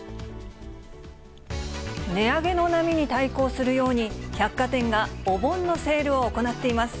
値上げの波に対抗するように、百貨店がお盆のセールを行っています。